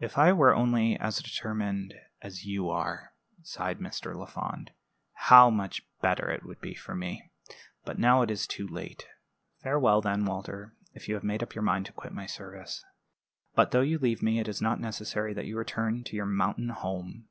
"If I were only as determined as you are," sighed Mr. Lafond, "how much better it would be for me! But now it is too late. Farewell, then, Walter, if you have made up your mind to quit my service. But though you leave me, it is not necessary that you return to your mountain home.